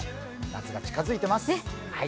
夏が近づいています。